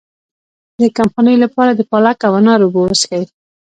د کمخونۍ لپاره د پالک او انار اوبه وڅښئ